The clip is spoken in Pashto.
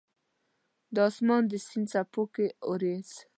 د اسمان د سیند څپو کې اوریځ